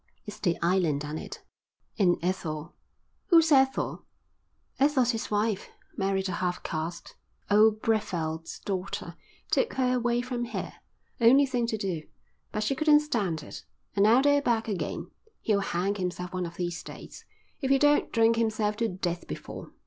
It's the island done it, and Ethel." "Who's Ethel?" "Ethel's his wife. Married a half caste. Old Brevald's daughter. Took her away from here. Only thing to do. But she couldn't stand it, and now they're back again. He'll hang himself one of these days, if he don't drink himself to death before.